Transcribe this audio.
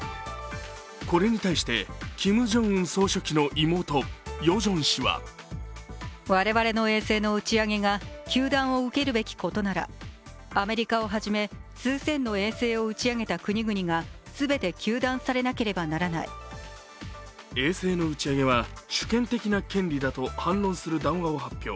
これに対して、キム・ジョンウン総書記の妹・ヨジョン氏は衛星の打ち上げは主権的な権利だと反論する談話を発表。